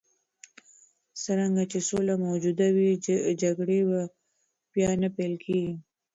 څرنګه چې سوله موجوده وي، جګړې به بیا نه پیل کېږي.